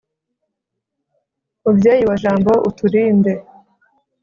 mubyeyi wa jambo, uturinde